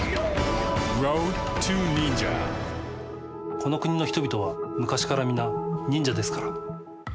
この国の人々は昔からみんな、忍者ですから。